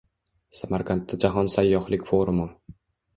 Samarqandda jahon sayyohlik forumi